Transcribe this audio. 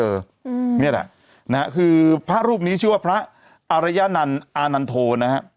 นี่แหละนะฮะคือพระรูปนี้ชื่อว่าพระอารยนันต์อานันโทนะฮะ